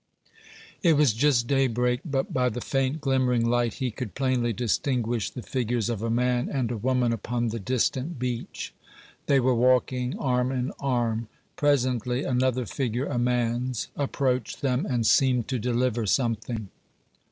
It was just daybreak, but by the faint glimmering light he could plainly distinguish the figures of a man and a woman upon the distant beach. They were walking arm in arm. Presently another figure, a man's, approached them and seemed to deliver something.